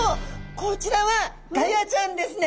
こちらはガヤちゃんですね。